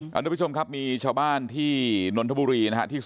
คุณผู้ชมครับมีชาวบ้านที่